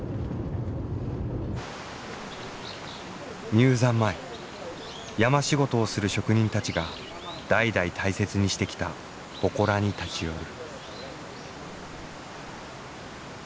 入山前山仕事をする職人たちが代々大切にしてきたほこらに立ち寄る。